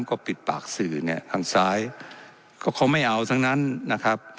ก็ปิดปากสื่อเนี่ยทางซ้ายก็เขาไม่เอาทั้งนั้นนะครับ